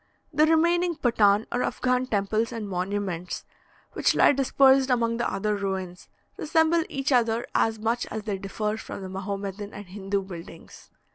The remaining Patan or Affghan temples and monuments which lie dispersed among the other ruins, resemble each other as much as they differ from the Mahomedan and Hindoo buildings.